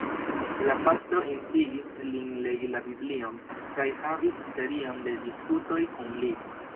La pastro instigis lin legi la Biblion kaj havis serion de diskutoj kun li.